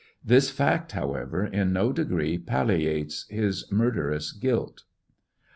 This fact, however, in no degree palliates his murderous guilt.